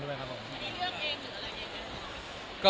แล้วนี่เลือกเพลงหรืออะไรด้วยกันครับ